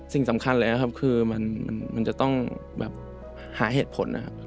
สิ่งสำคัญเลยครับคือมันจะต้องแบบหาเหตุผลนะครับ